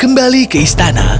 kembali ke istana